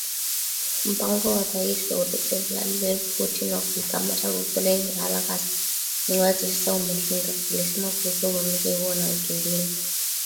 "Mpango wa Rais wa Urusi, Vladmir Putin wa kuikamata Ukraine haraka ni wazi sasa umeshindwa," alisema kuhusu uvamizi huo wa wiki mbili.